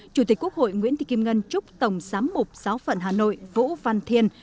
chủ tịch quốc hội nguyễn thị kim ngân chúc tổng giám mục giáo phận hà nội vũ văn thiên